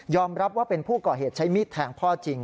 รับว่าเป็นผู้ก่อเหตุใช้มีดแทงพ่อจริง